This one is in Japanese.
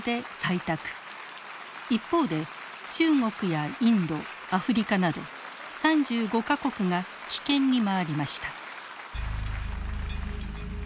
一方で中国やインドアフリカなど３５か国が棄権に回りました。